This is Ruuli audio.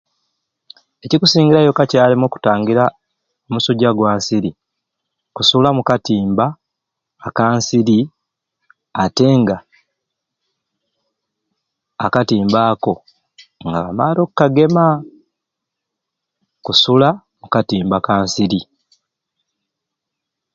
Ekikusingirayo kacaalumwe okutangira omusujja gwa nsiri kusula mu katimba aka nsiri ate nga akatimba ako nga bamaare okkagema, kusula mu katimba ka nsiri.